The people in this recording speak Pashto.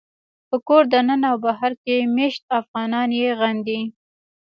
په کور دننه او بهر کې مېشت افغانان یې غندي